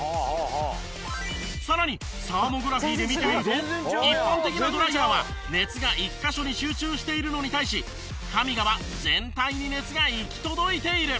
さらにサーモグラフィーで見てみると一般的なドライヤーは熱が１カ所に集中しているのに対しＫＡＭＩＧＡは全体に熱が行き届いている。